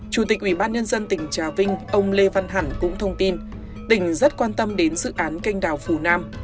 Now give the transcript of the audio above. chủ tịch ubnd tỉnh trà vinh ông lê văn hẳn cũng thông tin tỉnh rất quan tâm đến dự án canh đào phunam